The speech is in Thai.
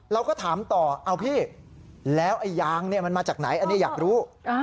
เราก็ถามต่อเอาพี่แล้วยางมันมาจากไหนอยากรู้